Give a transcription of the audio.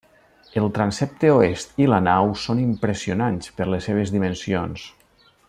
El transsepte oest i la nau són impressionants per les seves dimensions.